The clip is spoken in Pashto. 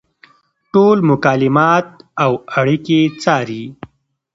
ټول مکالمات او اړیکې څاري.